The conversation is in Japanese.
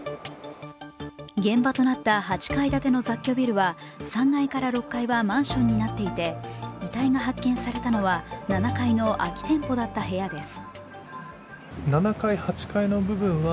現場となった８階建ての雑居ビルは３階から６階はマンションになっていて遺体が発見されたのは７階の空き店舗だった部屋です。